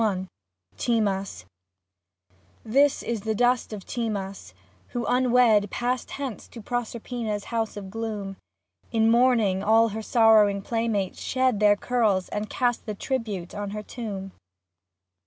2S XXI TIMAS This is the dust of Timas, who, unwed, Passed hence to Proserpina's house of gloom. In mourning all her sorrowing play mates shed Their curls and cast the tribute on her tomb.